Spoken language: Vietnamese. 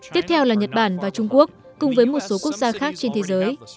tiếp theo là nhật bản và trung quốc cùng với một số quốc gia khác trên thế giới